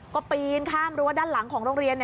ก็ปีนข้ามรั้วด้านหลังของโรงเรียน